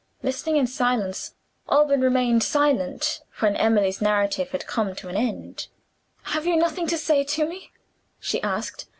Listening in silence, Alban remained silent when Emily's narrative had come to an end. "Have you nothing to say to me?" she asked.